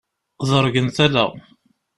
Ḍeṛgen tala.